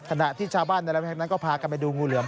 ขณะที่ชาวบ้านในละครับพากันไปดูงูเหลือม